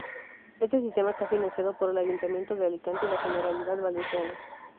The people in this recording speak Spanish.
Este sistema está financiado por el Ayuntamiento de Alicante y la Generalidad Valenciana.